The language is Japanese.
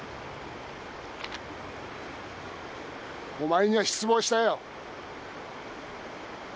お前には失望したよ。